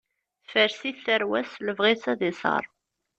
Tefrest-it tarwa-s, lebɣi ad isaṛ.